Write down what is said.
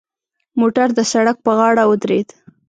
موټر د سړک پر غاړه ودرید.